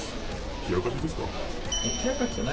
冷やかしですか？